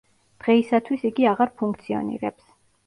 დღეისათვის იგი აღარ ფუნქციონირებს.